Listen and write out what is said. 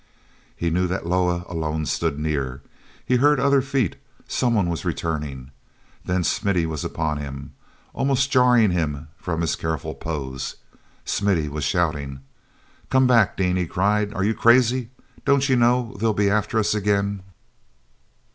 He knew that Loah alone stood near. He heard other feet; someone was returning. Then Smithy was upon him, almost jarring him from his careful pose. Smithy was shouting. "Come back, Dean!" he cried. "Are you crazy? Don't you know they'll be after us again?"